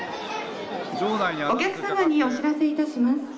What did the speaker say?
お客様にお知らせします。